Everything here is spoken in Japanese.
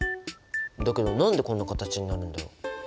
だけど何でこんな形になるんだろう？